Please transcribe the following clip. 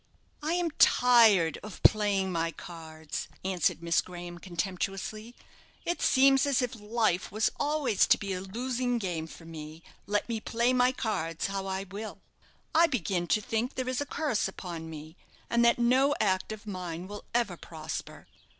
"I am tired of playing my cards," answered Miss Graham, contemptuously. "It seems as if life was always to be a losing game for me, let me play my cards how I will. I begin to think there is a curse upon me, and that no act of mine will ever prosper.